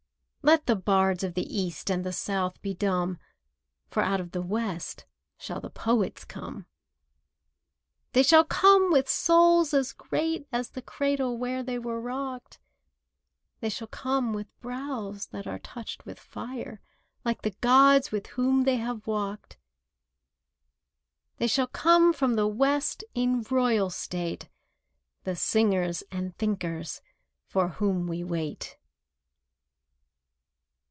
Let the bards of the East and the South be dumb— For out of the West shall the Poets come. They shall come with souls as great As the cradle where they were rocked; They shall come with brows that are touched with fire Like the gods with whom they have walked; They shall come from the West in royal state, The Singers and Thinkers for whom we wait.